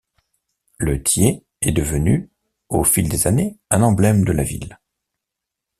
Le Thiers est devenu, au fil des années un emblème de la ville.